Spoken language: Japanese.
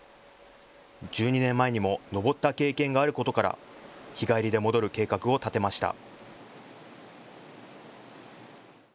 １２年前にも登った経験があることから日帰りで戻る計画を立てました。